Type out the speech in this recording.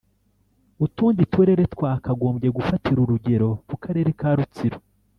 “Utundi turere twakagombye gufatira urugero ku karere ka Rutsiro